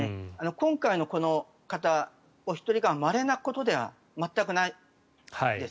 今回のこの方、お一人がまれなことでは全くないです。